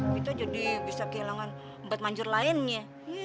kita jadi bisa kehilangan empat manjur lainnya